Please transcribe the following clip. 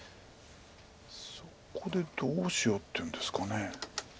そこでどうしようっていうんですかね。